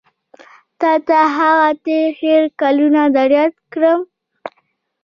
تا ته هغه تېر هېر کلونه در یاد کړم.